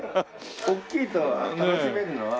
おっきいと楽しめるのは。